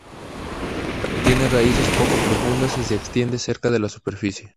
Tiene raíces poco profundas y se extienden cerca de la superficie.